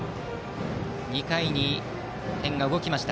２回に点が動きました。